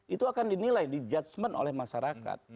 itu akan dinilai di judgement oleh masyarakat